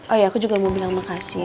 oh ya aku juga mau bilang makasih